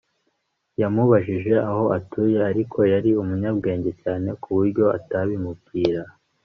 Yamubajije aho atuye ariko yari umunyabwenge cyane ku buryo atabimubwira